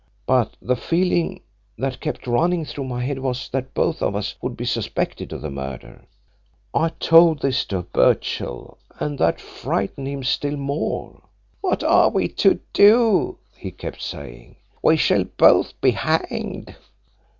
But the feeling that kept running through my head was that both of us would be suspected of the murder. "I told this to Birchill, and that frightened him still more. 'What are we to do?' he kept saying. 'We shall both be hanged.'